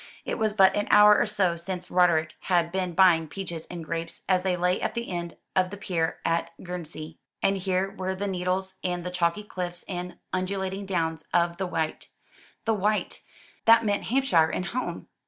It was but an hour or so since Roderick had been buying peaches and grapes, as they lay at the end of the pier at Guernsey, and here were the Needles and the chalky cliffs and undulating downs of the Wight. The Wight! That meant Hampshire and home!